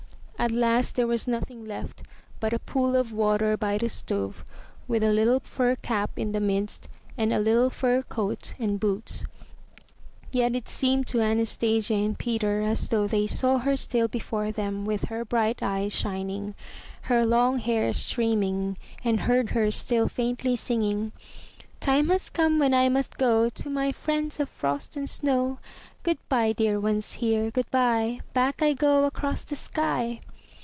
At last there was nothing left but a pool of water by the stove with a little fur cap in the midst and a little fur coat and boots. Yet it seemed to Anastasia and Peter as though they saw her still before them with her bright eyes shining, her long hair streaming, and heard her still faintly singing: 'Time has come when I must go To my friends of Frost and Snow. Good bye, dear ones here, good bye. Back I go across the sky!''